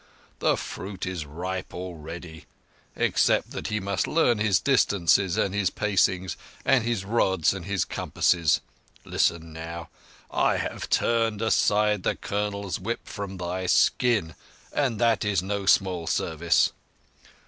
The fruit is ripe already—except that he must learn his distances and his pacings, and his rods and his compasses. Listen now. I have turned aside the Colonel's whip from thy skin, and that is no small service."